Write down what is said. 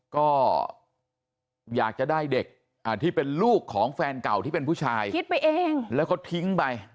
ก็อยากจะได้เด็กที่เป็นลูกของแฟนเก่าที่เป็นผู้ชายคิดไปเองแล้วเขาทิ้งไป